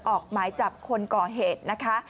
ออกหมายจับคนก่อเหตุนะคะ